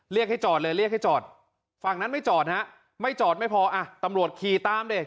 เรียกให้จอดเลยเรียกให้จอดฝั่งนั้นไม่จอดฮะไม่จอดไม่พออ่ะตำรวจขี่ตามดิ